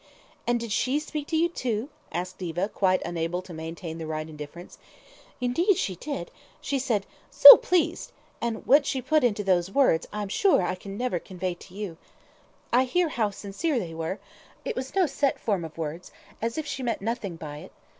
"And did she speak to you too?" asked Diva, quite unable to maintain the right indifference. "Indeed she did: she said, 'So pleased,' and what she put into those two words I'm sure I can never convey to you. I could hear how sincere they were: it was no set form of words, as if she meant nothing by it.